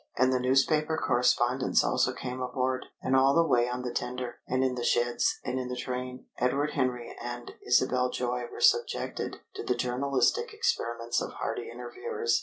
And newspaper correspondents also came aboard, and all the way on the tender, and in the sheds, and in the train, Edward Henry and Isabel Joy were subjected to the journalistic experiments of hardy interviewers.